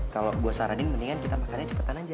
kalau gue saranin mendingan kita makannya cepetan aja